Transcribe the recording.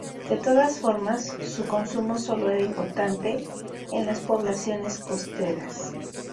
De todas formas, su consumo solo era importante en las poblaciones costeras.